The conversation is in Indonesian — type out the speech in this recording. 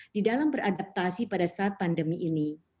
di dalam beradaptasi pada saat pandemi ini